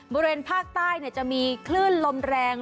บริเวณภาคใต้จะมีคลื่นลมแรง